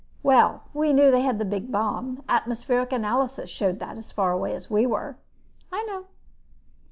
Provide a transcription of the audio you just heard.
"Well, we knew they had the big bomb. Atmospheric analysis showed that as far away as we were." "I know."